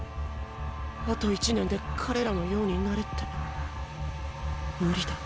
あと１年で彼らのようになれって？